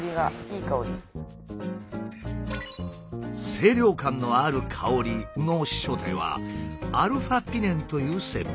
清涼感のある香りの正体はα−ピネンという成分。